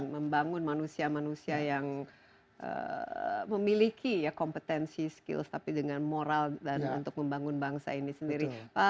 membangun manusia manusia yang memiliki kompetensi skills tapi dengan moral dan untuk membangun bangsa ini sendiri